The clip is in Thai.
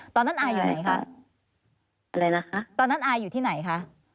อายอยู่ไหนคะอะไรนะคะตอนนั้นอายอยู่ที่ไหนคะ